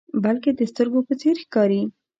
بلکې د سترګو په څیر ښکاري.